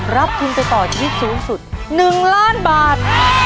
รับทุนไปต่อชีวิตสูงสุด๑ล้านบาท